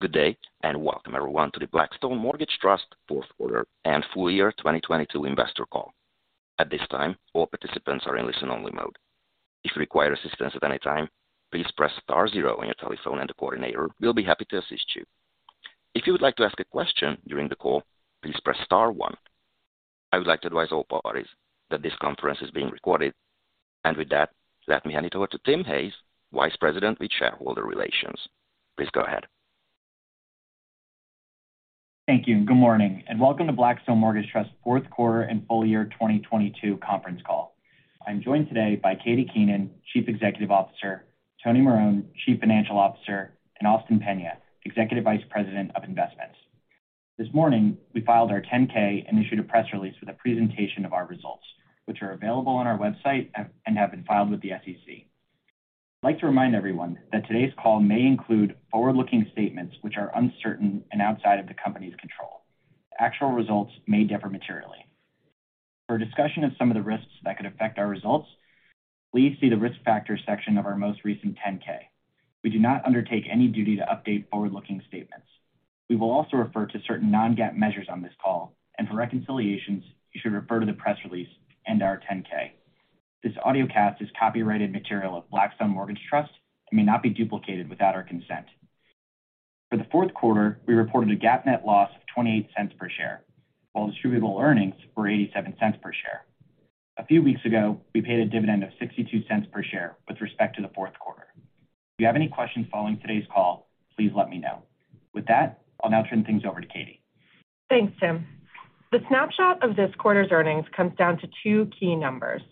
Good day, and welcome everyone to the Blackstone Mortgage Trust fourth quarter and full year 2022 investor call. At this time, all participants are in listen-only mode. If you require assistance at any time, please press star zero on your telephone and the coordinator will be happy to assist you. If you would like to ask a question during the call, please press star one. I would like to advise all parties that this conference is being recorded. With that, let me hand it over to Tim Hayes, Vice President with Shareholder Relations. Please go ahead. Thank you. Good morning, welcome to Blackstone Mortgage Trust fourth quarter and full year 2022 conference call. I'm joined today by Katie Keenan, Chief Executive Officer, Tony Marone, Chief Financial Officer, and Austin Peña, Executive Vice President of Investments. This morning, we filed our 10-K and issued a press release with a presentation of our results, which are available on our website and have been filed with the SEC. I'd like to remind everyone that today's call may include forward-looking statements which are uncertain and outside of the company's control. Actual results may differ materially. For a discussion of some of the risks that could affect our results, please see the risk factor section of our most recent 10-K. We do not undertake any duty to update forward-looking statements. We will also refer to certain non-GAAP measures on this call, and for reconciliations, you should refer to the press release and our 10-K. This audiocast is copyrighted material of Blackstone Mortgage Trust and may not be duplicated without our consent. For the fourth quarter, we reported a GAAP net loss of $0.28 per share, while distributable earnings were $0.87 per share. A few weeks ago, we paid a dividend of $0.62 per share with respect to the fourth quarter. If you have any questions following today's call, please let me know. With that, I'll now turn things over to Katie. Thanks, Tim. The snapshot of this quarter's earnings comes down to two key numbers.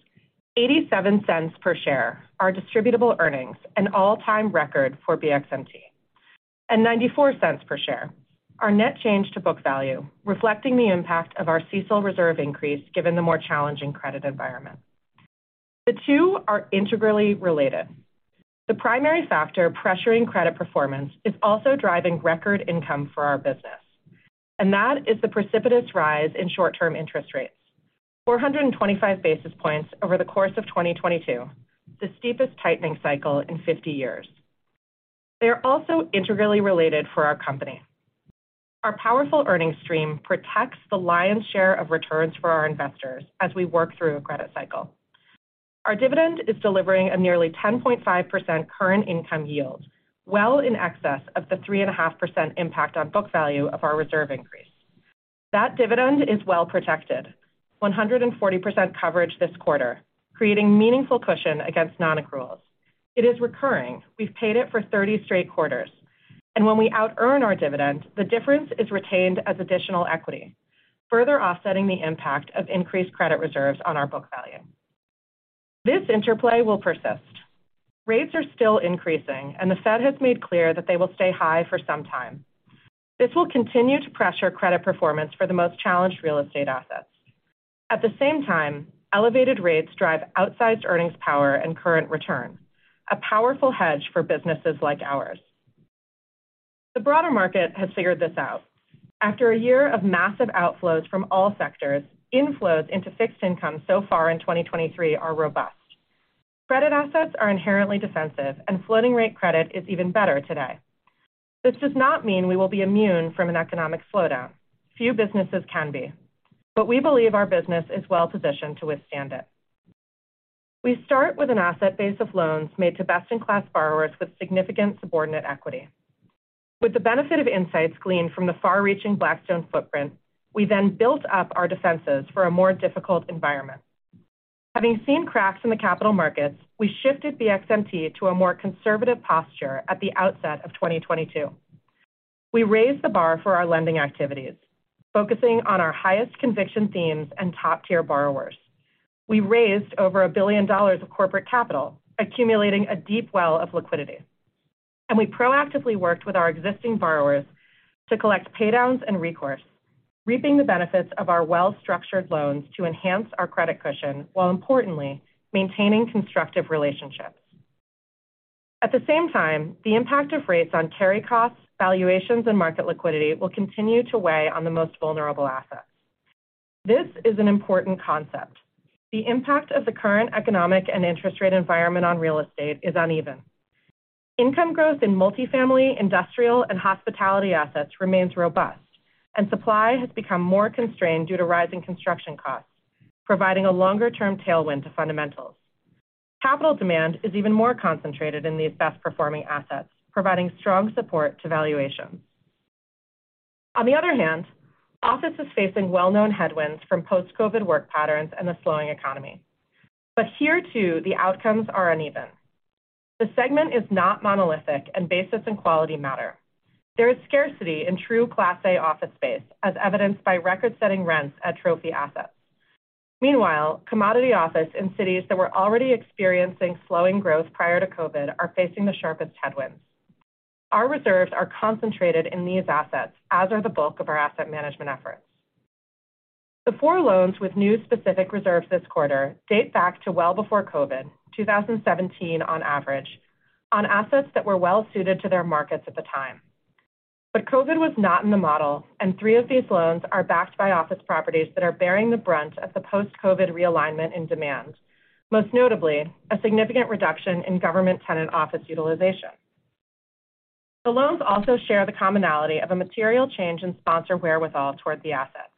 $0.87 per share, our distributable earnings, an all-time record for BXMT. Ninety-four cents per share, our net change to book value, reflecting the impact of our CECL reserve increase given the more challenging credit environment. The two are integrally related. The primary factor pressuring credit performance is also driving record income for our business, and that is the precipitous rise in short-term interest rates. 425 basis points over the course of 2022, the steepest tightening cycle in 50 years. They are also integrally related for our company. Our powerful earnings stream protects the lion's share of returns for our investors as we work through a credit cycle. Our dividend is delivering a nearly 10.5% current income yield, well in excess of the 3.5% impact on book value of our reserve increase. That dividend is well protected, 140% coverage this quarter, creating meaningful cushion against non-accruals. It is recurring. We've paid it for 30 straight quarters. When we outearn our dividend, the difference is retained as additional equity, further offsetting the impact of increased credit reserves on our book value. This interplay will persist. Rates are still increasing, the Fed has made clear that they will stay high for some time. This will continue to pressure credit performance for the most challenged real estate assets. At the same time, elevated rates drive outsized earnings power and current return, a powerful hedge for businesses like ours. The broader market has figured this out. After a year of massive outflows from all sectors, inflows into fixed income so far in 2023 are robust. Credit assets are inherently defensive, and floating rate credit is even better today. This does not mean we will be immune from an economic slowdown. Few businesses can be. We believe our business is well-positioned to withstand it. We start with an asset base of loans made to best-in-class borrowers with significant subordinate equity. With the benefit of insights gleaned from the far-reaching Blackstone footprint, we then built up our defenses for a more difficult environment. Having seen cracks in the capital markets, we shifted BXMT to a more conservative posture at the outset of 2022. We raised the bar for our lending activities, focusing on our highest conviction themes and top-tier borrowers. We raised over $1 billion of corporate capital, accumulating a deep well of liquidity. We proactively worked with our existing borrowers to collect paydowns and recourse, reaping the benefits of our well-structured loans to enhance our credit cushion while importantly maintaining constructive relationships. At the same time, the impact of rates on carry costs, valuations, and market liquidity will continue to weigh on the most vulnerable assets. This is an important concept. The impact of the current economic and interest rate environment on real estate is uneven. Income growth in multifamily, industrial, and hospitality assets remains robust, and supply has become more constrained due to rising construction costs, providing a longer-term tailwind to fundamentals. Capital demand is even more concentrated in these best-performing assets, providing strong support to valuations. On the other hand, office is facing well-known headwinds from post-COVID work patterns and the slowing economy. Here, too, the outcomes are uneven. The segment is not monolithic, and basis and quality matter. There is scarcity in true class A office space, as evidenced by record-setting rents at trophy assets. Meanwhile, commodity office in cities that were already experiencing slowing growth prior to COVID are facing the sharpest headwinds. Our reserves are concentrated in these assets, as are the bulk of our asset management efforts. The four loans with new specific reserves this quarter date back to well before COVID, 2017 on average, on assets that were well-suited to their markets at the time. COVID was not in the model, and three of these loans are backed by office properties that are bearing the brunt of the post-COVID realignment in demand. Most notably, a significant reduction in government tenant office utilization. The loans also share the commonality of a material change in sponsor wherewithal toward the assets.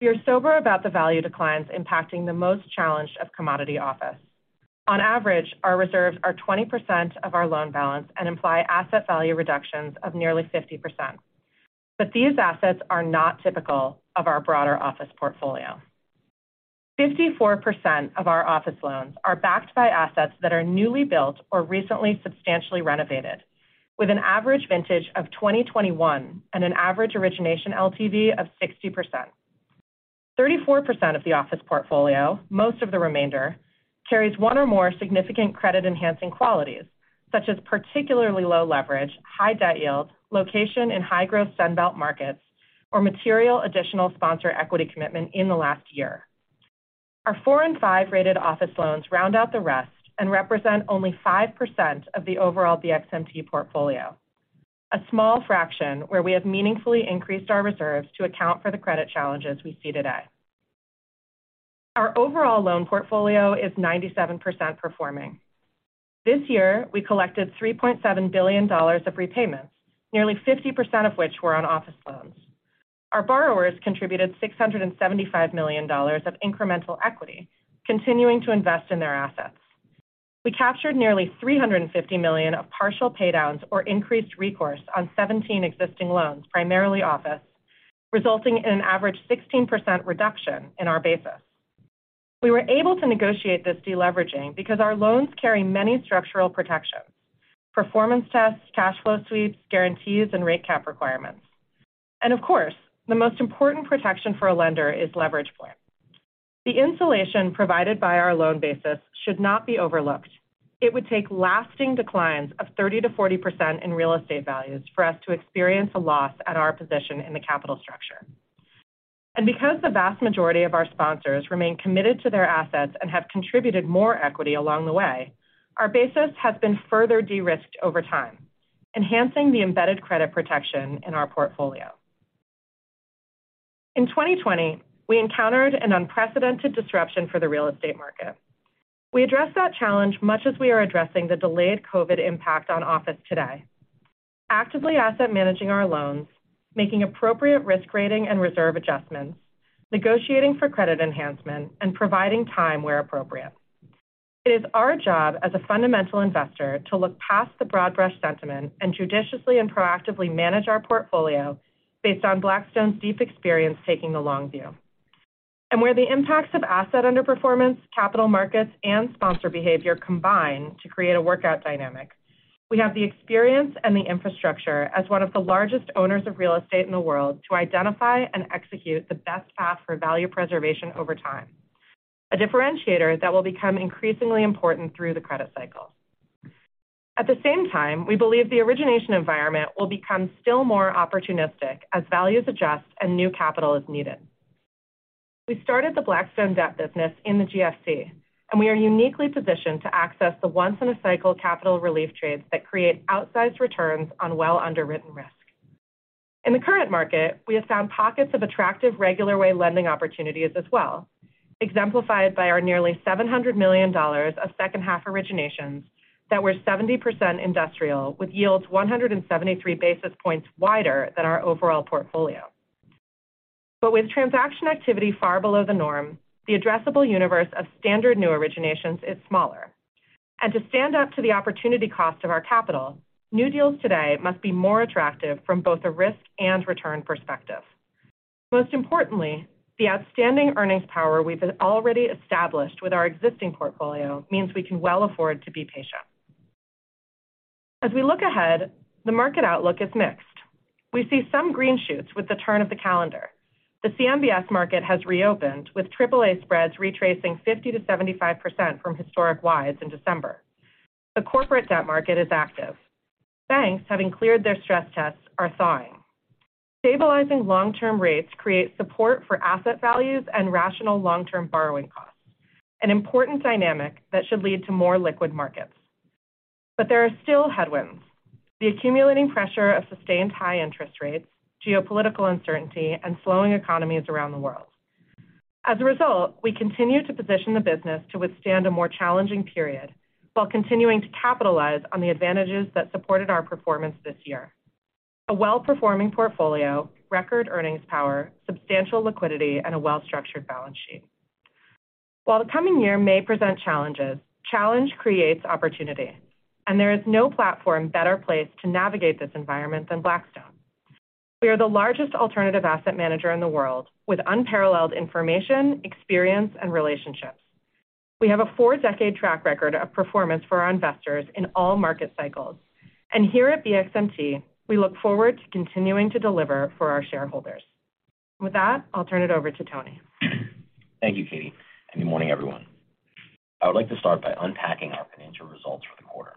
We are sober about the value declines impacting the most challenged of commodity office. On average, our reserves are 20% of our loan balance and imply asset value reductions of nearly 50%. These assets are not typical of our broader office portfolio. 54% of our office loans are backed by assets that are newly built or recently substantially renovated with an average vintage of 2021 and an average origination LTV of 60%. 34% of the office portfolio, most of the remainder, carries one or more significant credit-enhancing qualities, such as particularly low leverage, high debt yield, location in high-growth Sun Belt markets, or material additional sponsor equity commitment in the last year. Our four and five-rated office loans round out the rest and represent only 5% of the overall BXMT portfolio. A small fraction where we have meaningfully increased our reserves to account for the credit challenges we see today. Our overall loan portfolio is 97% performing. This year, we collected $3.7 billion of repayments, nearly 50% of which were on office loans. Our borrowers contributed $675 million of incremental equity, continuing to invest in their assets. We captured nearly $350 million of partial pay downs or increased recourse on 17 existing loans, primarily office, resulting in an average 16% reduction in our basis. Of course, the most important protection for a lender is leverage point. The insulation provided by our loan basis should not be overlooked. It would take lasting declines of 30% to 40% in real estate values for us to experience a loss at our position in the capital structure. Because the vast majority of our sponsors remain committed to their assets and have contributed more equity along the way, our basis has been further de-risked over time, enhancing the embedded credit protection in our portfolio. In 2020, we encountered an unprecedented disruption for the real estate market. We addressed that challenge much as we are addressing the delayed COVID impact on office today. Actively asset managing our loans, making appropriate risk rating and reserve adjustments, negotiating for credit enhancement, and providing time where appropriate. It is our job as a fundamental investor to look past the broad brush sentiment and judiciously and proactively manage our portfolio based on Blackstone's deep experience taking the long view. Where the impacts of asset underperformance, capital markets, and sponsor behavior combine to create a workout dynamic, we have the experience and the infrastructure as one of the largest owners of real estate in the world to identify and execute the best path for value preservation over time. A differentiator that will become increasingly important through the credit cycle. At the same time, we believe the origination environment will become still more opportunistic as values adjust and new capital is needed. We started the Blackstone debt business in the GFC, and we are uniquely positioned to access the once-in-a-cycle capital relief trades that create outsized returns on well underwritten risk. In the current market, we have found pockets of attractive regular way lending opportunities as well, exemplified by our nearly $700 million of second half originations that were 70% industrial, with yields 173 basis points wider than our overall portfolio. With transaction activity far below the norm, the addressable universe of standard new originations is smaller. To stand up to the opportunity cost of our capital, new deals today must be more attractive from both a risk and return perspective. Most importantly, the outstanding earnings power we've already established with our existing portfolio means we can well afford to be patient. As we look ahead, the market outlook is mixed. We see some green shoots with the turn of the calendar. The CMBS market has reopened with AAA spreads retracing 50% to 75% from historic wides in December. The corporate debt market is active. Banks, having cleared their stress tests, are thawing. Stabilizing long-term rates create support for asset values and rational long-term borrowing costs, an important dynamic that should lead to more liquid markets. There are still headwinds. The accumulating pressure of sustained high interest rates, geopolitical uncertainty, and slowing economies around the world. As a result, we continue to position the business to withstand a more challenging period while continuing to capitalize on the advantages that supported our performance this year. A well-performing portfolio, record earnings power, substantial liquidity, and a well-structured balance sheet. While the coming year may present challenges, challenge creates opportunity, and there is no platform better placed to navigate this environment than Blackstone. We are the largest alternative asset manager in the world with unparalleled information, experience, and relationships. We have a four-decade track record of performance for our investors in all market cycles. Here at BXMT, we look forward to continuing to deliver for our shareholders. With that, I'll turn it over to Tony. Thank you, Katie, and good morning, everyone. I would like to start by unpacking our financial results for the quarter.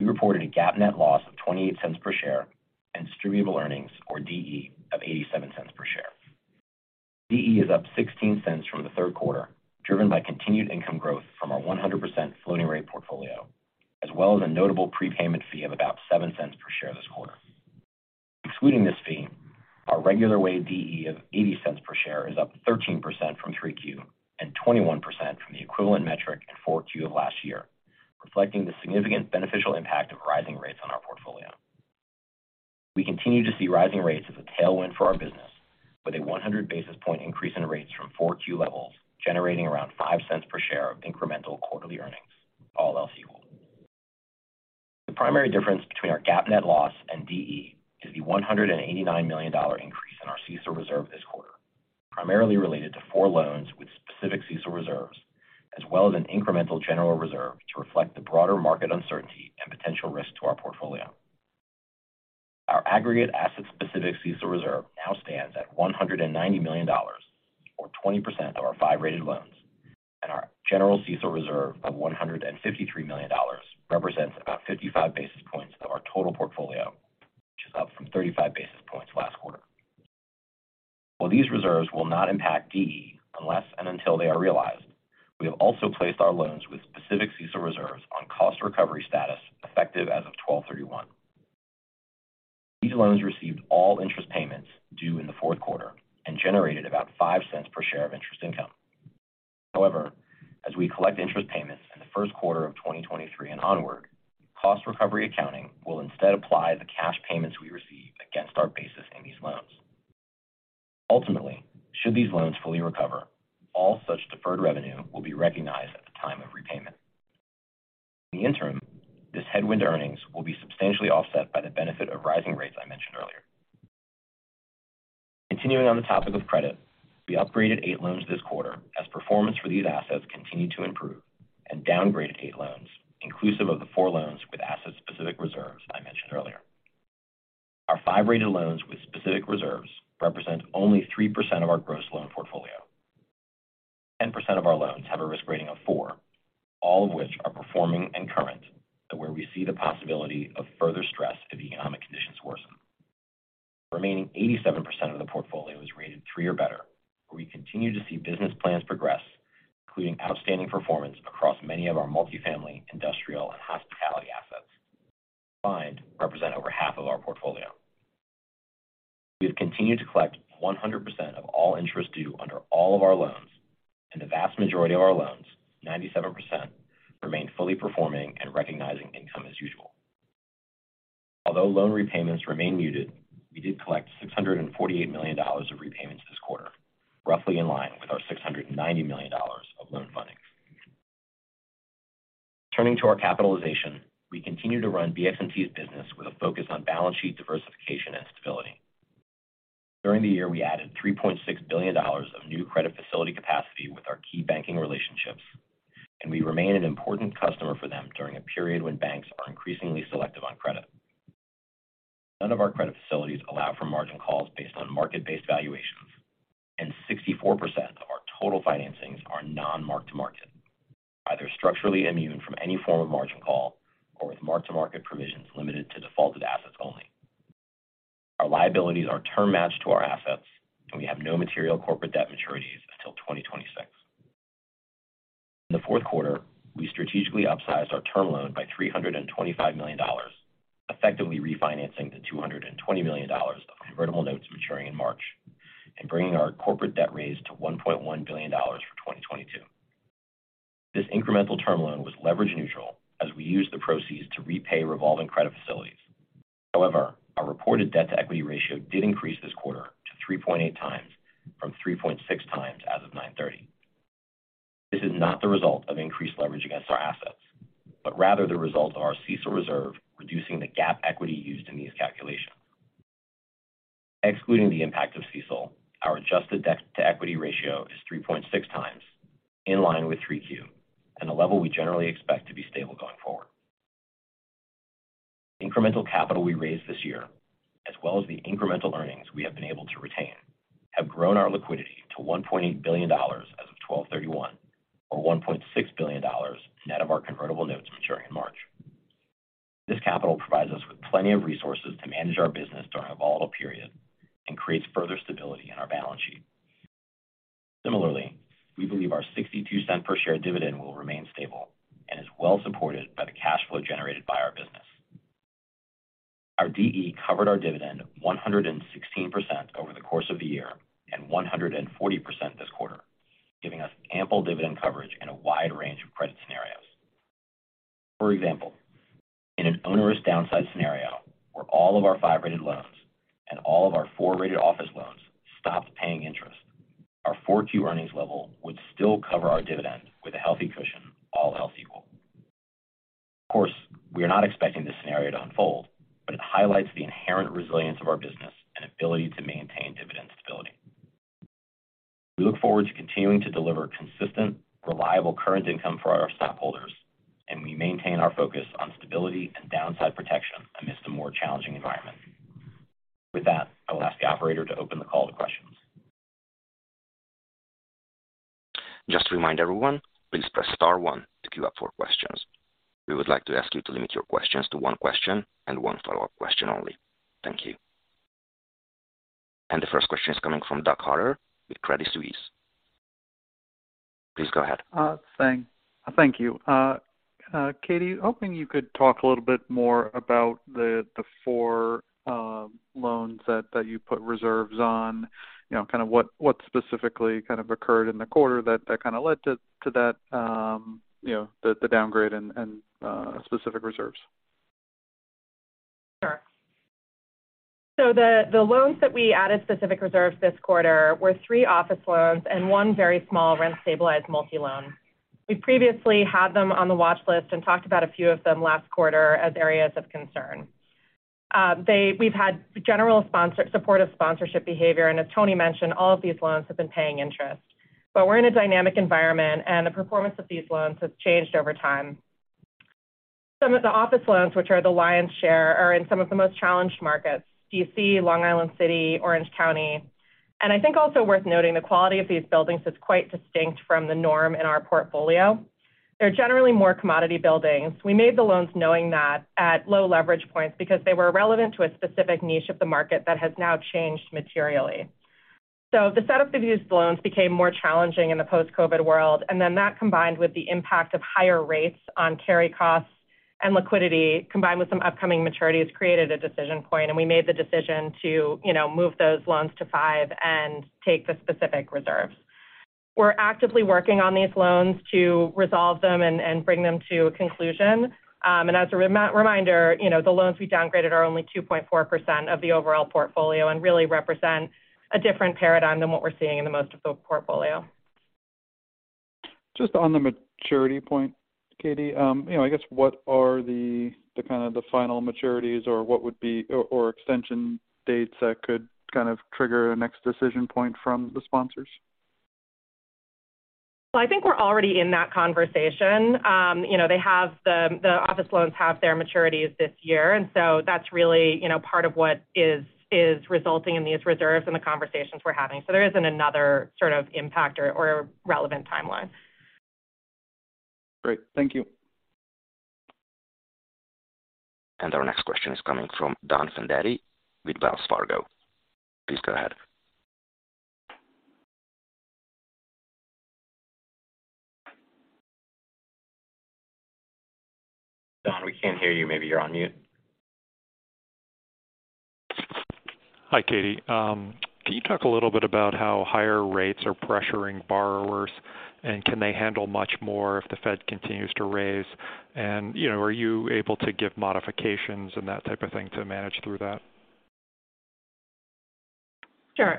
We reported a GAAP net loss of $0.28 per share and distributable earnings or DE of $0.87 per share. DE is up $0.16 from the Q3, driven by continued income growth from our 100% floating rate portfolio, as well as a notable prepayment fee of about $0.07 per share this quarter. Excluding this fee, our regular way DE of $0.80 per share is up 13% from Q3 and 21% from the equivalent metric in Q4 of last year, reflecting the significant beneficial impact of rising rates on our portfolio. We continue to see rising rates as a tailwind for our business with a 100 basis point increase in rates from Q4 levels, generating around $0.05 per share of incremental quarterly earnings, all else equal. The primary difference between our GAAP net loss and DE is the $189 million increase in our CECL reserve this quarter, primarily related to four loans with specific CECL reserves, as well as an incremental general reserve to reflect the broader market uncertainty and potential risk to our portfolio. Our aggregate asset-specific CECL reserve now stands at $190 million, or 20% of our five-rated loans, and our general CECL reserve of $153 million represents about 55 basis points of our total portfolio, which is up from 35 basis points last quarter. While these reserves will not impact DE unless and until they are realized, we have also placed our loans with specific CECL reserves on cost recovery status effective as of 12/31. These loans received all interest payments due in the fourth quarter and generated about $0.05 per share of interest income. As we collect interest payments in the first quarter of 2023 and onward, cost recovery accounting will instead apply the cash payments we receive against our basis in these loans. Ultimately, should these loans fully recover, all such deferred revenue will be recognized at the time of repayment. In the interim, this headwind earnings will be substantially offset by the benefit of rising rates I mentioned earlier. Continuing on the topic of credit, we upgraded eight loans this quarter as performance for these assets continued to improve and downgraded eight loans inclusive of the four loans with asset-specific reserves I mentioned earlier. Our five-rated loans with specific reserves represent only 3% of our gross loan portfolio. 10% of our loans have a risk rating of four, all of which are performing and current, but where we see the possibility of further stress if economic conditions worsen. Remaining 87% of the portfolio is rated three or better, where we continue to see business plans progress, including outstanding performance across many of our multifamily, industrial and hospitality assets. Combined represent over half of our portfolio. We have continued to collect 100% of all interest due under all of our loans, and the vast majority of our loans, 97%, remain fully performing and recognizing income as usual. Although loan repayments remain muted, we did collect $648 million of repayments this quarter, roughly in line with our $690 million of loan funding. Turning to our capitalization, we continue to run BXMT's business with a focus on balance sheet diversification and stability. During the year, we added $3.6 billion of new credit facility capacity with our key banking relationships, and we remain an important customer for them during a period when banks are increasingly selective on credit. None of our credit facilities allow for margin calls based on market-based valuations, and 64% of our total financings are non-mark-to-market, either structurally immune from any form of margin call or with mark-to-market provisions limited to defaulted assets only. Our liabilities are term matched to our assets, and we have no material corporate debt maturities until 2026. In the fourth quarter, we strategically upsized our term loan by $325 million, effectively refinancing the $220 million of convertible notes maturing in March and bringing our corporate debt raise to $1.1 billion for 2022. This incremental term loan was leverage neutral as we used the proceeds to repay revolving credit facilities. However, our reported debt to equity ratio did increase this quarter to 3.8 times from 3.6 times as of 9/30. This is not the result of increased leverage against our assets, but rather the result of our CECL reserve reducing the GAAP equity used in these calculations. Excluding the impact of CECL, our adjusted debt to equity ratio is 3.6 times in line with Q3 and a level we generally expect to be stable going forward. Incremental capital we raised this year, as well as the incremental earnings we have been able to retain, have grown our liquidity to $1.8 billion as of 12/31, or $1.6 billion net of our convertible notes maturing in March. This capital provides us with plenty of resources to manage our business during a volatile period and creates further stability in our balance sheet. Similarly, we believe our $0.62 per share dividend will remain stable and is well supported by the cash flow generated by our business. Our DE covered our dividend 116% over the course of the year and 140% this quarter, giving us ample dividend coverage in a wide range of credit scenarios. For example, in an onerous downside scenario where all of our five-rated loans and all of our four-rated office loans stopped paying interest, our Q4 earnings level would still cover our dividend with a healthy cushion, all else equal. We are not expecting this scenario to unfold, but it highlights the inherent resilience of our business and ability to maintain dividend stability. We look forward to continuing to deliver consistent, reliable current income for our stockholders, and we maintain our focus on stability and downside protection amidst a more challenging environment. With that, I will ask the operator to open the call to questions. Just to remind everyone, please press star one to queue up for questions. We would like to ask you to limit your questions to one question and one follow-up question only. Thank you. The first question is coming from Douglas Harter with Credit Suisse. Please go ahead. Thank you. Katie, hoping you could talk a little bit more about the four loans that you put reserves on. You know, what specifically kinda occurred in the quarter that kinda led to that, you know, the downgrade and specific reserves? Sure. The, the loans that we added specific reserves this quarter were three office loans and one very small rent-stabilized multi-loan. We previously had them on the watch list and talked about a few of them last quarter as areas of concern. We've had general supportive sponsorship behavior, and as Tony mentioned, all of these loans have been paying interest. We're in a dynamic environment, and the performance of these loans has changed over time. Some of the office loans, which are the lion's share, are in some of the most challenged markets: D.C., Long Island City, Orange County. I think also worth noting, the quality of these buildings is quite distinct from the norm in our portfolio. They're generally more commodity buildings. We made the loans knowing that at low leverage points because they were relevant to a specific niche of the market that has now changed materially. The setup of these loans became more challenging in the post-COVID world, and then that combined with the impact of higher rates on carry costs and liquidity, combined with some upcoming maturities, created a decision point, and we made the decision to, you know, move those loans to five and take the specific reserves. We're actively working on these loans to resolve them and bring them to a conclusion. As a reminder, you know, the loans we downgraded are only 2.4% of the overall portfolio and really represent a different paradigm than what we're seeing in the most of the portfolio. Just on the maturity point, Katie. You know, I guess what are the kind of the final maturities or extension dates that could kind of trigger a next decision point from the sponsors? Well, I think we're already in that conversation. You know, they have the office loans have their maturities this year, that's really, you know, part of what is resulting in these reserves and the conversations we're having. There isn't another sort of impact or relevant timeline. Great. Thank you. Our next question is coming from Donald Fandetti with Wells Fargo. Please go ahead. Don, we can't hear you. Maybe you're on mute. Hi, Katie. Can you talk a little bit about how higher rates are pressuring borrowers, and can they handle much more if the Fed continues to raise? You know, are you able to give modifications and that type of thing to manage through that? Sure.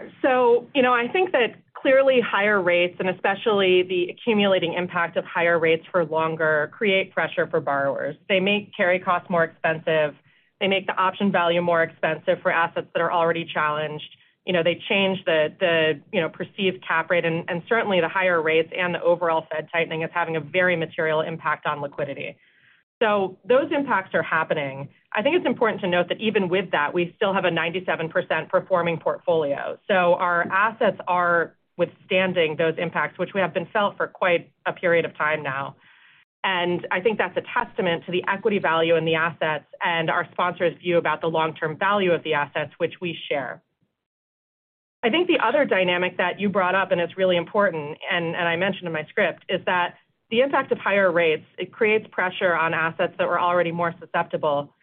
You know, I think that clearly higher rates, and especially the accumulating impact of higher rates for longer, create pressure for borrowers. They make carry costs more expensive. They make the option value more expensive for assets that are already challenged. You know, they change the, you know, perceived cap rate and certainly the higher rates and the overall Fed tightening is having a very material impact on liquidity. Those impacts are happening. I think it's important to note that even with that, we still have a 97% performing portfolio. Our assets are withstanding those impacts, which we have been felt for quite a period of time now. I think that's a testament to the equity value in the assets and our sponsors' view about the long-term value of the assets, which we share. I think the other dynamic that you brought up, and it's really important, and I mentioned in my script, is that the impact of higher rates, it creates pressure on assets that were already more susceptible.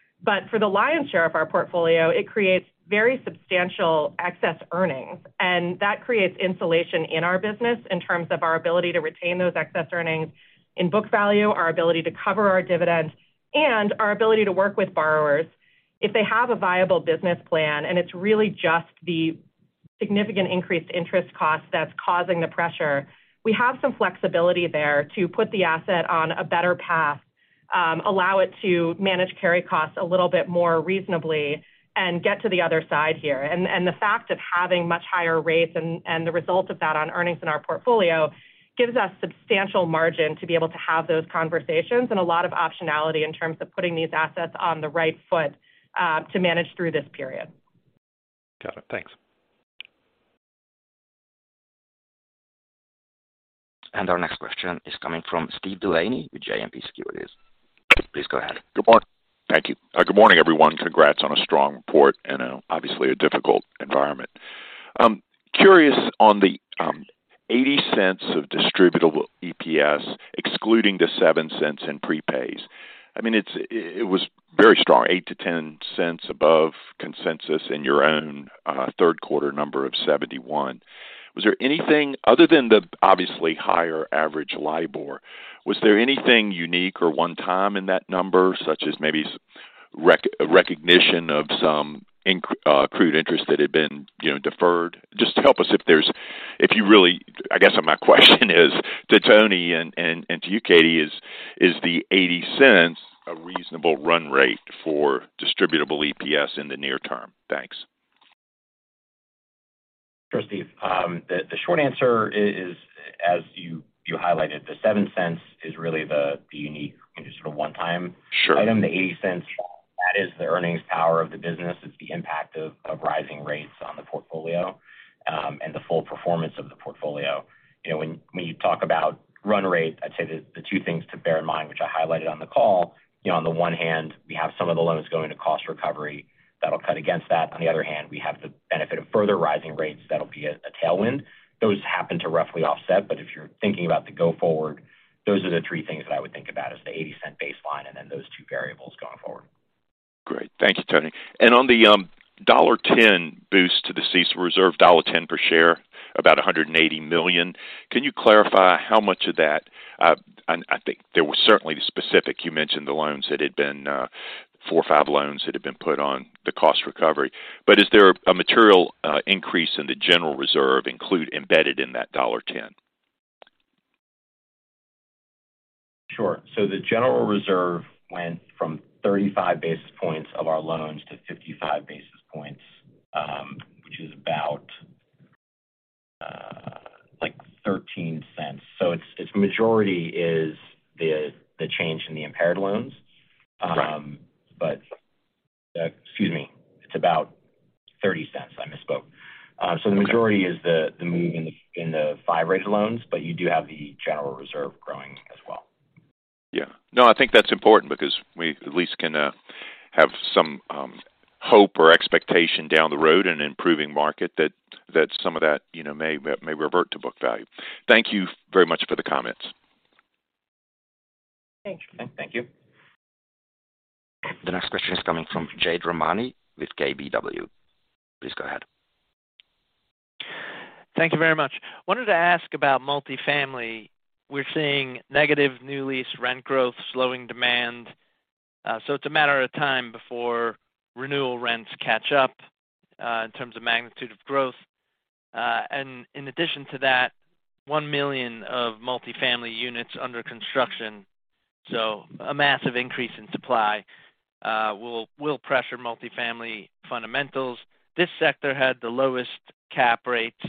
For the lion's share of our portfolio, it creates very substantial excess earnings, and that creates insulation in our business in terms of our ability to retain those excess earnings in book value, our ability to cover our dividends, and our ability to work with borrowers. If they have a viable business plan and it's really just the significant increased interest cost that's causing the pressure, we have some flexibility there to put the asset on a better path, allow it to manage carry costs a little bit more reasonably and get to the other side here. The fact of having much higher rates and the result of that on earnings in our portfolio gives us substantial margin to be able to have those conversations and a lot of optionality in terms of putting these assets on the right foot to manage through this period. Got it. Thanks. Our next question is coming from Steve Delaney with JMP Securities. Please go ahead. Good morning. Thank you. Good morning, everyone. Congrats on a strong report in a obviously a difficult environment. Curious on the $0.80 of distributable EPS, excluding the $0.07 in prepays. I mean, it was very strong, $0.08-$0.10 above consensus in your own third quarter number of $0.71. Was there anything other than the obviously higher average LIBOR, was there anything unique or one-time in that number, such as maybe recognition of some accrued interest that had been, you know, deferred? I guess my question is, to Tony and to you, Katie, is the $0.80 a reasonable run rate for distributable EPS in the near term? Thanks. Sure, Steve. The short answer is, as you highlighted, the $0.07 is really the unique sort of one-time-. Sure. item. The $0.80. That is the earnings power of the business. It's the impact of rising rates on the portfolio and the full performance of the portfolio. You know, when you talk about run rate, I'd say the two things to bear in mind, which I highlighted on the call, you know, on the one hand, we have some of the loans going to cost recovery that'll cut against that. On the other hand, we have the benefit of further rising rates that'll be a tailwind. Those happen to roughly offset. If you're thinking about the go forward, those are the three things that I would think about as the $0.80 baseline and then those two variables going forward. Great. Thank you, Tony. On the $1.10 boost to the CECL reserve, $1.10 per share, about $180 million. Can you clarify how much of that? I think there were certainly specific, you mentioned the loans that had been 4 or 5 loans that had been put on the cost recovery. Is there a material increase in the general reserve include embedded in that $1.10? Sure. The general reserve went from 35 basis points of our loans to 55 basis points, which is about, like $0.13. It's majority is the change in the impaired loans. Right. Excuse me, it's about $0.30. I misspoke. Okay. The majority is the move in the, in the five-rated loans, but you do have the general reserve growing as well. Yeah. No, I think that's important because we at least can have some hope or expectation down the road in an improving market that some of that, you know, may revert to book value. Thank you very much for the comments. Thank you. Thank you. The next question is coming from Jade Rahmani with KBW. Please go ahead. Thank you very much. Wanted to ask about multifamily. We're seeing negative new lease rent growth, slowing demand. So it's a matter of time before renewal rents catch up in terms of magnitude of growth. In addition to that, one million multifamily units under construction. A massive increase in supply will pressure multifamily fundamentals. This sector had the lowest cap rates,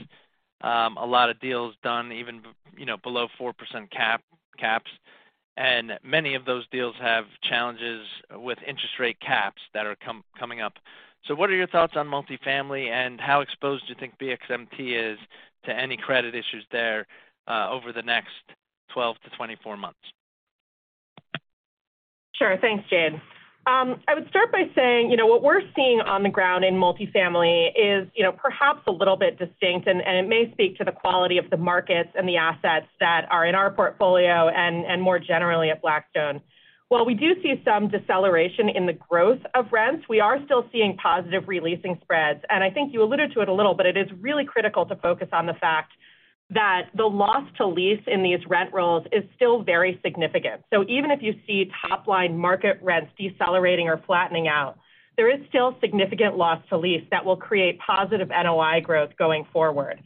a lot of deals done even, you know, below 4% caps. Many of those deals have challenges with interest rate caps that are coming up. What are your thoughts on multifamily, and how exposed do you think BXMT is to any credit issues there over the next 12 to 24 months? Sure. Thanks, Jade. I would start by saying, you know, what we're seeing on the ground in multifamily is, you know, perhaps a little bit distinct, and it may speak to the quality of the markets and the assets that are in our portfolio and more generally at Blackstone. While we do see some deceleration in the growth of rents, we are still seeing positive re-leasing spreads. I think you alluded to it a little, but it is really critical to focus on the fact that the loss to lease in these rent rolls is still very significant. Even if you see top line market rents decelerating or flattening out, there is still significant loss to lease that will create positive NOI growth going forward.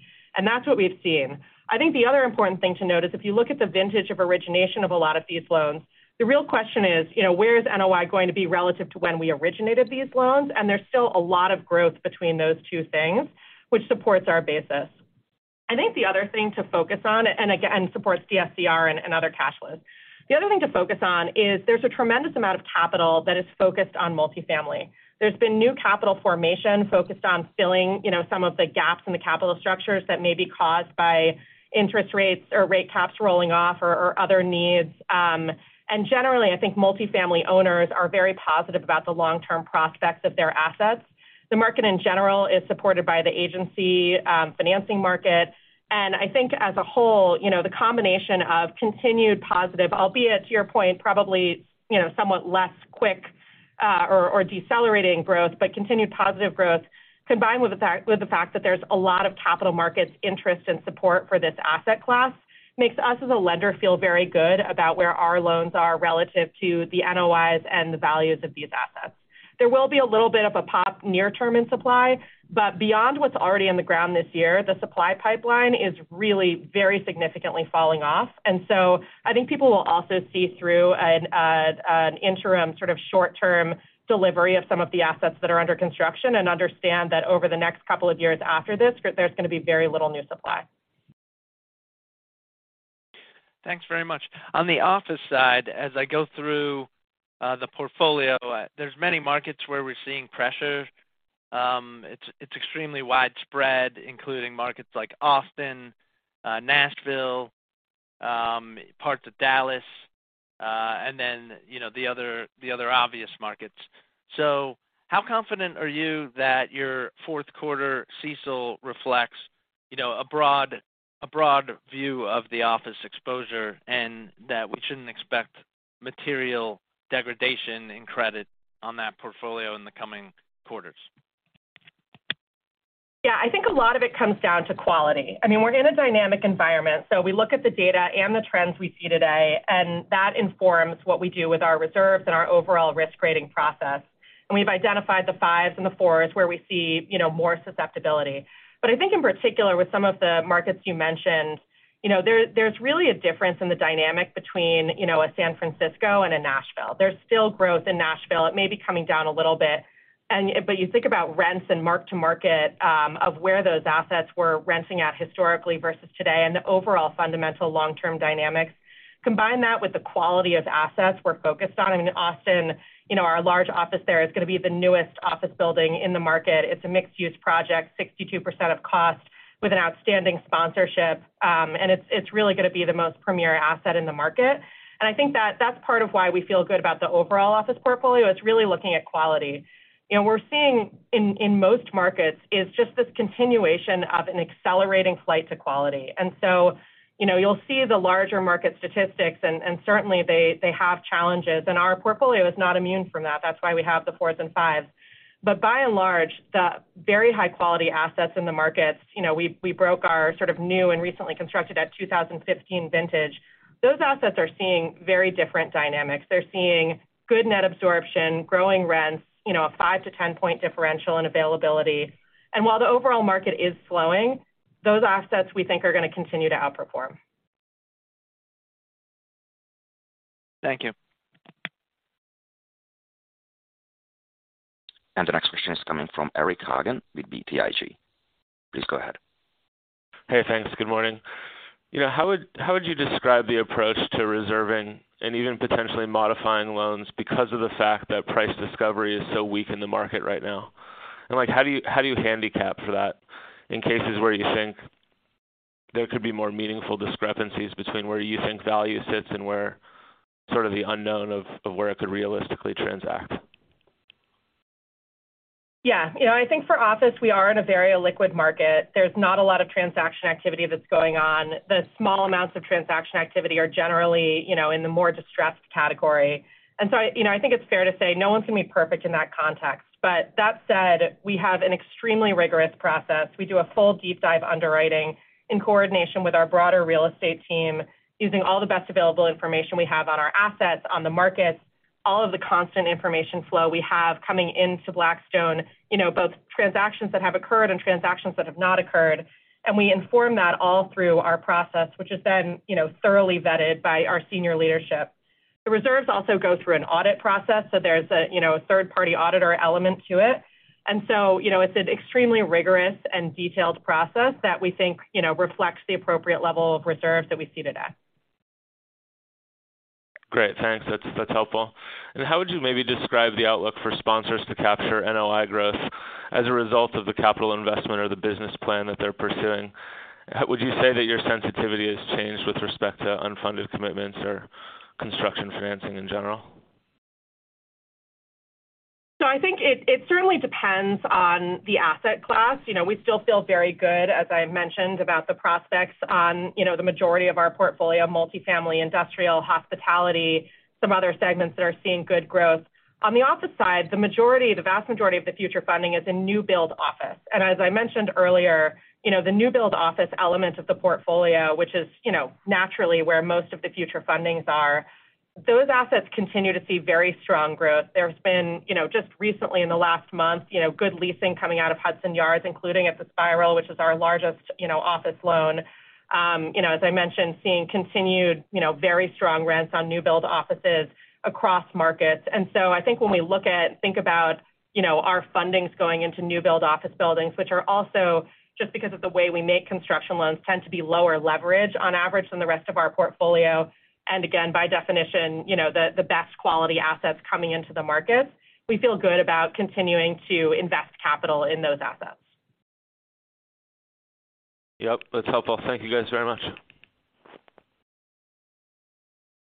That's what we've seen. I think the other important thing to note is if you look at the vintage of origination of a lot of these loans, the real question is, you know, where is NOI going to be relative to when we originated these loans? There's still a lot of growth between those two things, which supports our basis. I think the other thing to focus on, and again, supports DSCR and other cash flows. The other thing to focus on is there's a tremendous amount of capital that is focused on multifamily. There's been new capital formation focused on filling, you know, some of the gaps in the capital structures that may be caused by interest rates or rate caps rolling off or other needs. Generally, I think multifamily owners are very positive about the long-term prospects of their assets. The market in general is supported by the agency, financing market. I think as a whole, you know, the combination of continued positive, albeit to your point, probably, you know, somewhat less quick, or decelerating growth, but continued positive growth, combined with the fact that there's a lot of capital markets interest and support for this asset class makes us as a lender feel very good about where our loans are relative to the NOIs and the values of these assets. There will be a little bit of a pop near term in supply, but beyond what's already on the ground this year, the supply pipeline is really very significantly falling off. I think people will also see through an interim sort of short term delivery of some of the assets that are under construction and understand that over the next couple of years after this, there's gonna be very little new supply. Thanks very much. On the office side, as I go through, the portfolio, there's many markets where we're seeing pressure. It's, it's extremely widespread, including markets like Austin, Nashville, parts of Dallas, and then, you know, the other, the other obvious markets. How confident are you that your fourth quarter CECL reflects, you know, a broad view of the office exposure and that we shouldn't expect material degradation in credit on that portfolio in the coming quarters? Yeah. I think a lot of it comes down to quality. I mean, we're in a dynamic environment, so we look at the data and the trends we see today, and that informs what we do with our reserves and our overall risk rating process. We've identified the fives and the fours where we see, you know, more susceptibility. I think in particular with some of the markets you mentioned, you know, there's really a difference in the dynamic between, you know, a San Francisco and a Nashville. There's still growth in Nashville. It may be coming down a little bit. You think about rents and mark-to-market of where those assets were renting out historically versus today and the overall fundamental long-term dynamics. Combine that with the quality of assets we're focused on. I mean, Austin, you know, our large office there is gonna be the newest office building in the market. It's a mixed-use project, 62% of cost with an outstanding sponsorship. It's really gonna be the most premier asset in the market. I think that that's part of why we feel good about the overall office portfolio. It's really looking at quality. You know, we're seeing in most markets is just this continuation of an accelerating flight to quality. You know, you'll see the larger market statistics, and certainly they have challenges. Our portfolio is not immune from that. That's why we have the fours and fives. By and large, the very high quality assets in the markets, you know, we broke our sort of new and recently constructed at 2015 vintage. Those assets are seeing very different dynamics. They're seeing good net absorption, growing rents, you know, a five to 10 point differential in availability. While the overall market is slowing, those assets we think are gonna continue to outperform. Thank you. The next question is coming from Eric Hagen with BTIG. Please go ahead. Hey, thanks. Good morning. You know, how would you describe the approach to reserving and even potentially modifying loans because of the fact that price discovery is so weak in the market right now? Like, how do you handicap for that in cases where you think there could be more meaningful discrepancies between where you think value sits and where sort of the unknown of where it could realistically transact? Yeah. You know, I think for office, we are in a very illiquid market. There's not a lot of transaction activity that's going on. The small amounts of transaction activity are generally, you know, in the more distressed category. I, you know, I think it's fair to say no one's gonna be perfect in that context. That said, we have an extremely rigorous process. We do a full deep dive underwriting in coordination with our broader real estate team using all the best available information we have on our assets, on the markets, all of the constant information flow we have coming into Blackstone, you know, both transactions that have occurred and transactions that have not occurred. We inform that all through our process, which is then, you know, thoroughly vetted by our senior leadership. The reserves also go through an audit process, so there's a, you know, a third party auditor element to it. You know, it's an extremely rigorous and detailed process that we think, you know, reflects the appropriate level of reserves that we see today. Great. Thanks. That's helpful. How would you maybe describe the outlook for sponsors to capture NOI growth as a result of the capital investment or the business plan that they're pursuing? Would you say that your sensitivity has changed with respect to unfunded commitments or construction financing in general? I think it certainly depends on the asset class. You know, we still feel very good, as I mentioned, about the prospects on, you know, the majority of our portfolio, multifamily, industrial, hospitality, some other segments that are seeing good growth. On the office side, the majority, the vast majority of the future funding is in new build office. As I mentioned earlier, you know, the new build office element of the portfolio, which is, you know, naturally where most of the future fundings are, those assets continue to see very strong growth. There's been, you know, just recently in the last month, you know, good leasing coming out of Hudson Yards, including at The Spiral, which is our largest, you know, office loan. You know, as I mentioned, seeing continued, you know, very strong rents on new build offices across markets. I think when we look at, think about, you know, our fundings going into new build office buildings, which are also just because of the way we make construction loans tend to be lower leverage on average than the rest of our portfolio. Again, by definition, you know, the best quality assets coming into the markets, we feel good about continuing to invest capital in those assets. Yep, that's helpful. Thank you guys very much.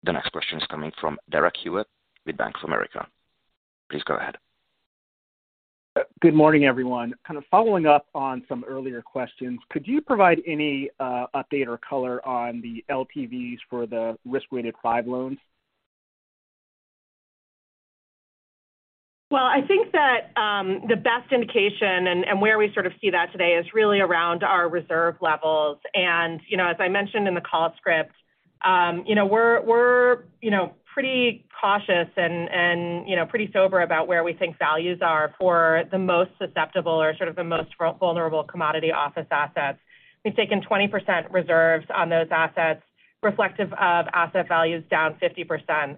The next question is coming from Derek Hewett with Bank of America. Please go ahead. Good morning, everyone. Kind of following up on some earlier questions, could you provide any update or color on the LTVs for the risk-weighted five loans? Well, I think that the best indication and where we sort of see that today is really around our reserve levels. You know, as I mentioned in the call script, you know, we're, you know, pretty cautious and, you know, pretty sober about where we think values are for the most susceptible or sort of the most vulnerable commodity office assets. We've taken 20% reserves on those assets, reflective of asset values down 50%.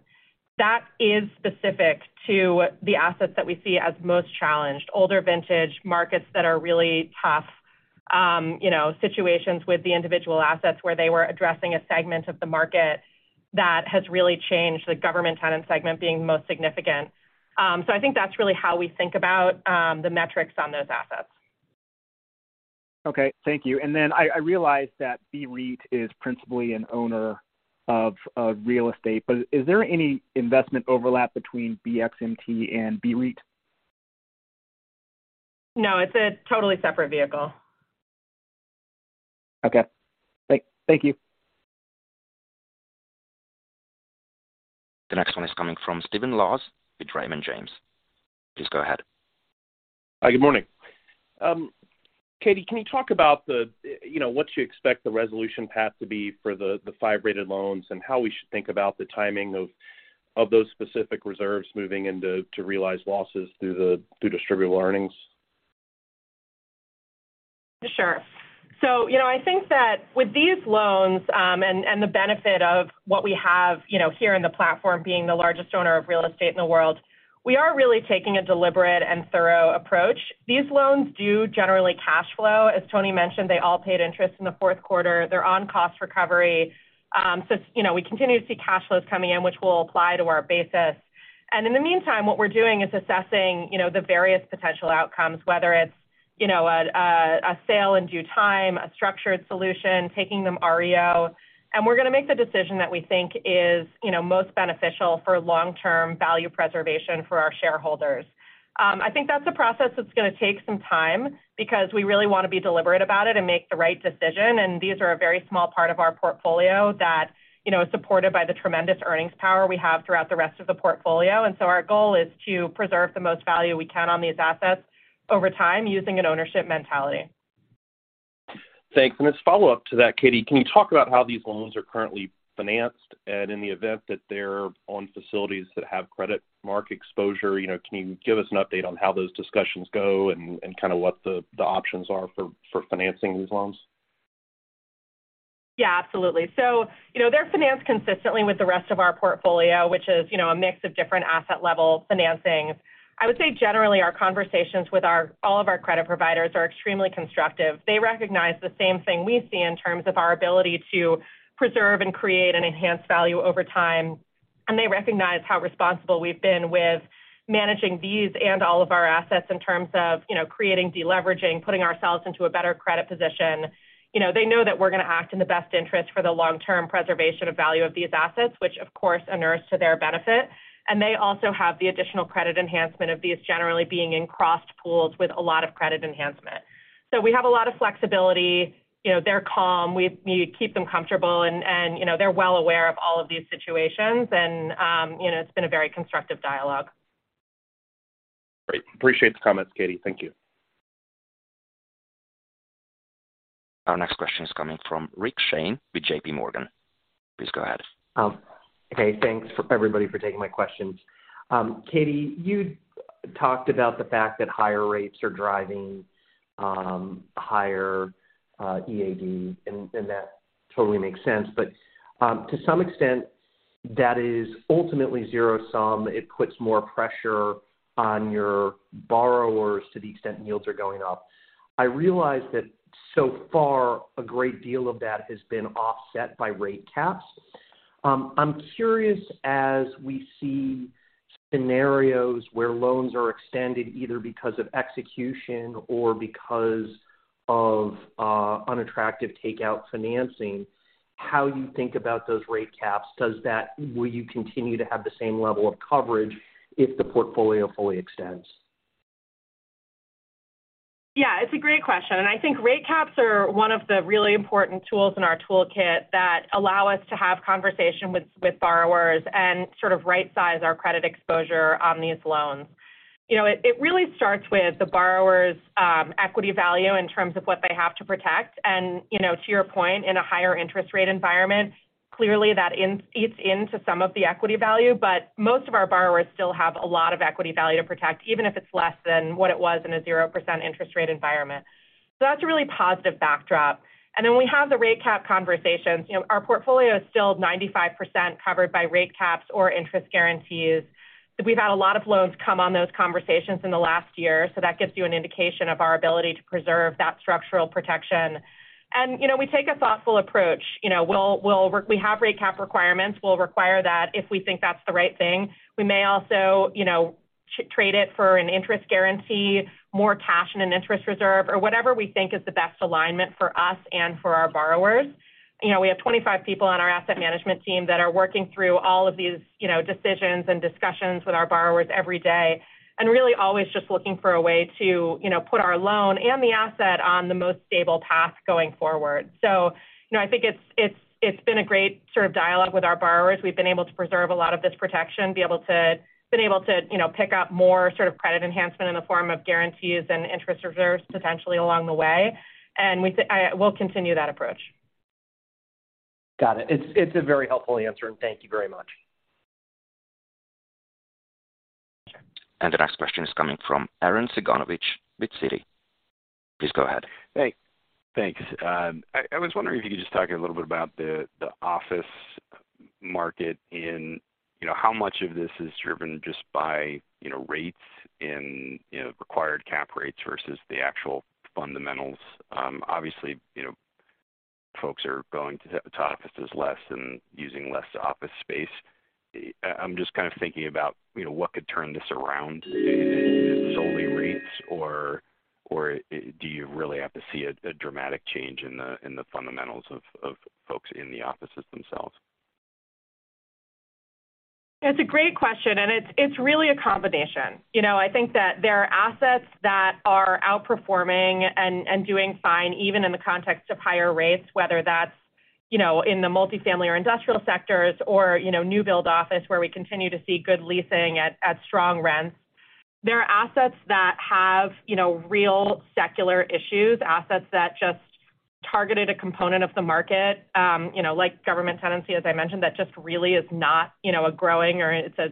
That is specific to the assets that we see as most challenged. Older vintage markets that are really tough, you know, situations with the individual assets where they were addressing a segment of the market that has really changed, the government tenant segment being most significant. I think that's really how we think about the metrics on those assets. Okay. Thank you. I realize that BREIT is principally an owner of real estate, but is there any investment overlap between BXMT and BREIT? No, it's a totally separate vehicle. Okay. Thank you. The next one is coming from Stephen Laws with Raymond James. Please go ahead. Hi, good morning. Katie, can you talk about the, you know, what you expect the resolution path to be for the 5-rated loans and how we should think about the timing of those specific reserves moving into realized losses through distributable earnings? Sure. You know, I think that with these loans, and the benefit of what we have, you know, here in the platform being the largest owner of real estate in the world, we are really taking a deliberate and thorough approach. These loans do generally cash flow. As Tony mentioned, they all paid interest in the fourth quarter. They're on cost recovery. You know, we continue to see cash flows coming in, which we'll apply to our basis. In the meantime, what we're doing is assessing, you know, the various potential outcomes, whether it's, you know, a sale in due time, a structured solution, taking them REO. We're gonna make the decision that we think is, you know, most beneficial for long-term value preservation for our shareholders. I think that's a process that's gonna take some time because we really wanna be deliberate about it and make the right decision, and these are a very small part of our portfolio that, you know, is supported by the tremendous earnings power we have throughout the rest of the portfolio. Our goal is to preserve the most value we can on these assets over time using an ownership mentality. Thanks. As a follow-up to that, Katie, can you talk about how these loans are currently financed? In the event that they're on facilities that have credit mark exposure, you know, can you give us an update on how those discussions go and kind of what the options are for financing these loans? Yeah, absolutely. You know, they're financed consistently with the rest of our portfolio, which is, you know, a mix of different asset level financings. I would say generally, our conversations with all of our credit providers are extremely constructive. They recognize the same thing we see in terms of our ability to preserve and create and enhance value over time, and they recognize how responsible we've been with managing these and all of our assets in terms of, you know, creating, de-leveraging, putting ourselves into a better credit position. You know, they know that we're gonna act in the best interest for the long-term preservation of value of these assets, which of course inures to their benefit. They also have the additional credit enhancement of these generally being in crossed pools with a lot of credit enhancement. We have a lot of flexibility. You know, they're calm. We keep them comfortable and, you know, they're well aware of all of these situations and, you know, it's been a very constructive dialogue. Great. Appreciate the comments, Katie. Thank you. Our next question is coming from Richard Shane with J.P. Morgan. Please go ahead. Okay, thanks for everybody for taking my questions. Katie, you talked about the fact that higher rates are driving higher DE, and that totally makes sense. To some extent that is ultimately zero-sum, it puts more pressure on your borrowers to the extent yields are going up. I realize that so far a great deal of that has been offset by rate caps. I'm curious, as we see scenarios where loans are extended, either because of execution or because of unattractive takeout financing, how you think about those rate caps? Will you continue to have the same level of coverage if the portfolio fully extends? Yeah, it's a great question, I think rate caps are one of the really important tools in our toolkit that allow us to have conversation with borrowers and sort of right-size our credit exposure on these loans. You know, it really starts with the borrower's equity value in terms of what they have to protect. You know, to your point, in a higher interest rate environment, clearly that eats into some of the equity value, but most of our borrowers still have a lot of equity value to protect, even if it's less than what it was in a 0% interest rate environment. That's a really positive backdrop. We have the rate cap conversations. You know, our portfolio is still 95% covered by rate caps or interest guarantees. We've had a lot of loans come on those conversations in the last year, so that gives you an indication of our ability to preserve that structural protection. You know, we'll, we have rate cap requirements. We'll require that if we think that's the right thing. We may also, you know, trade it for an interest guarantee, more cash in an interest reserve or whatever we think is the best alignment for us and for our borrowers. You know, we have 25 people on our asset management team that are working through all of these, you know, decisions and discussions with our borrowers every day, and really always just looking for a way to, you know, put our loan and the asset on the most stable path going forward. You know, I think it's been a great sort of dialogue with our borrowers. We've been able to preserve a lot of this protection, been able to, you know, pick up more sort of credit enhancement in the form of guarantees and interest reserves potentially along the way. We'll continue that approach. Got it. It's a very helpful answer, and thank you very much. The next question is coming from Aaron Ciganovich with Citi. Please go ahead. Hey. Thanks. I was wondering if you could just talk a little bit about the office market and, you know, how much of this is driven just by, you know, rates and, you know, required cap rates versus the actual fundamentals. Obviously, you know, folks are going to offices less and using less office space. I'm just kind of thinking about, you know, what could turn this around. Is it solely rates or do you really have to see a dramatic change in the, in the fundamentals of folks in the offices themselves? It's a great question, and it's really a combination. You know, I think that there are assets that are outperforming and doing fine even in the context of higher rates, whether that's, you know, in the multifamily or industrial sectors or, you know, new build office where we continue to see good leasing at strong rents. There are assets that have, you know, real secular issues, assets that targeted a component of the market, you know, like government tenancy, as I mentioned, that just really is not, you know, a growing or it's a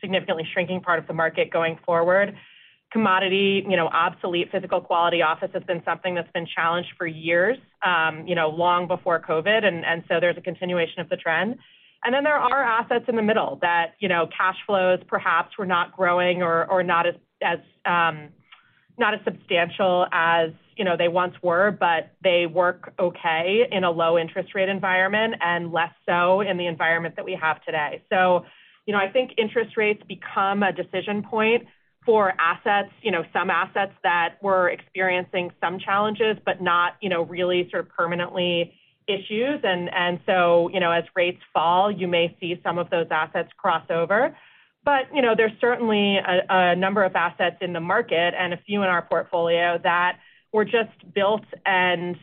significantly shrinking part of the market going forward. Commodity, you know, obsolete physical quality office has been something that's been challenged for years, you know, long before COVID. There's a continuation of the trend. There are assets in the middle that, you know, cash flows perhaps were not growing or not as, not as substantial as, you know, they once were, but they work okay in a low interest rate environment and less so in the environment that we have today. You know, I think interest rates become a decision point for assets, you know, some assets that were experiencing some challenges but not, you know, really sort of permanently issues. You know, as rates fall, you may see some of those assets cross over. You know, there's certainly a number of assets in the market and a few in our portfolio that were just built and,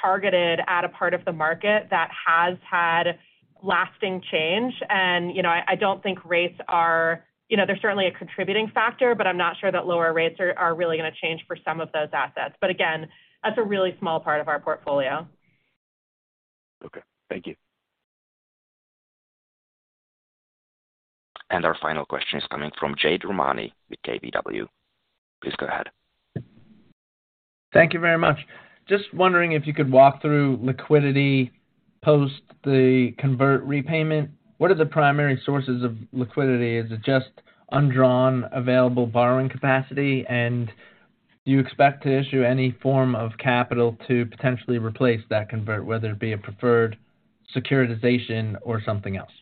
targeted at a part of the market that has had lasting change. You know, I don't think rates are... You know, they're certainly a contributing factor, but I'm not sure that lower rates are really gonna change for some of those assets. Again, that's a really small part of our portfolio. Okay. Thank you. Our final question is coming from Jade Rahmani with KBW. Please go ahead. Thank you very much. Just wondering if you could walk through liquidity post the convert repayment? What are the primary sources of liquidity? Is it just undrawn available borrowing capacity? Do you expect to issue any form of capital to potentially replace that convert, whether it be a preferred securitization or something else?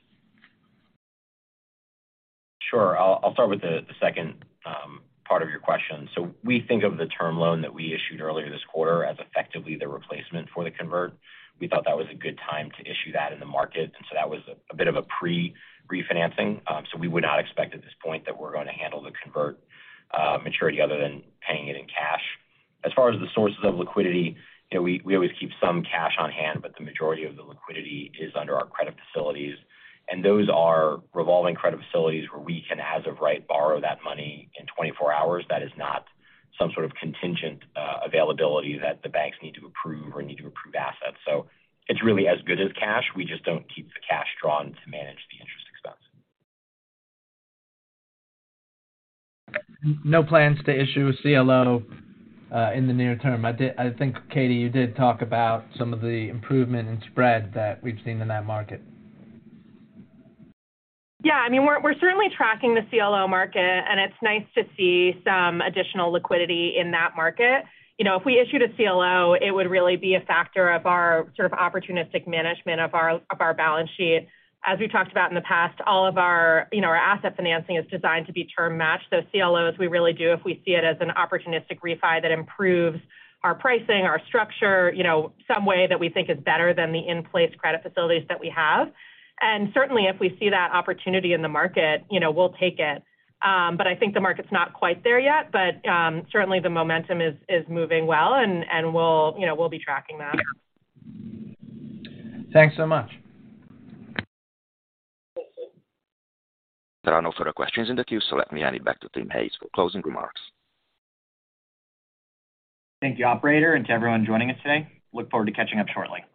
Sure. I'll start with the second part of your question. We think of the term loan that we issued earlier this quarter as effectively the replacement for the convert. We thought that was a good time to issue that in the market, that was a bit of a pre-refinancing. We would not expect at this point that we're gonna handle the convert maturity other than paying it in cash. As far as the sources of liquidity, you know, we always keep some cash on hand, but the majority of the liquidity is under our credit facilities. Those are revolving credit facilities where we can, as of right, borrow that money in 24 hours. That is not some sort of contingent availability that the banks need to approve or need to approve assets. It's really as good as cash. We just don't keep the cash drawn to manage the interest expense. No plans to issue a CLO, in the near term. I think, Katie, you did talk about some of the improvement in spread that we've seen in that market. Yeah. I mean, we're certainly tracking the CLO market, and it's nice to see some additional liquidity in that market. You know, if we issued a CLO, it would really be a factor of our sort of opportunistic management of our balance sheet. As we talked about in the past, all of our, you know, our asset financing is designed to be term matched. CLOs, we really do if we see it as an opportunistic refi that improves our pricing, our structure, you know, some way that we think is better than the in-place credit facilities that we have. Certainly, if we see that opportunity in the market, you know, we'll take it. I think the market's not quite there yet. Certainly the momentum is moving well, and we'll, you know, we'll be tracking that. Thanks so much. There are no further questions in the queue, so let me hand it back to Tim Hayes for closing remarks. Thank you, operator, and to everyone joining us today. Look forward to catching up shortly.